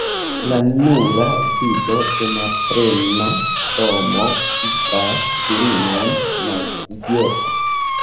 La nura vido de malplena domo igas virinon malkvieta.